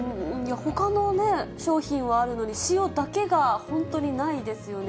ほかの商品はあるのに、塩だけが本当にないですよね。